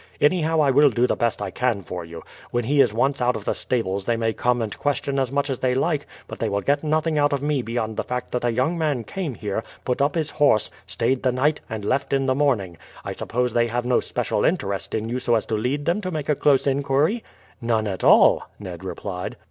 Anyhow, I will do the best I can for you. When he is once out of the stables they may come and question as much as they like, but they will get nothing out of me beyond the fact that a young man came here, put up his horse, stayed the night, and left in the morning. I suppose they have no special interest in you so as to lead them to make a close inquiry?" "None at all," Ned replied.